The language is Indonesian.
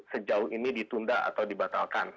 sejauh ini ditunda atau dibatalkan